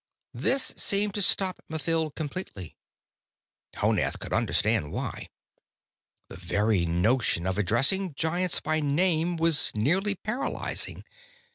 This seemed to stop Mathild completely. Honath could understand why. The very notion of addressing Giants by name was nearly paralyzing.